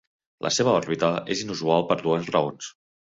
La seva òrbita és inusual per dues raons.